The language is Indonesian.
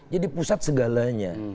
jadi pusat segalanya